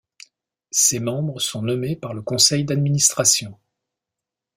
Ces membres sont nommés par le conseil d'administration.